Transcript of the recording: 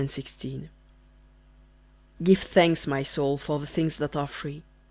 COMMON WEALTH Give thanks, my soul, for the things that are free!